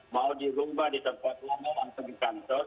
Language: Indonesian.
mau di rumba di tempat rumah atau di kantor